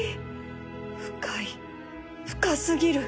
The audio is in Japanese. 深い深過ぎる！